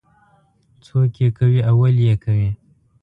څوک یې کوي او ولې یې کوي.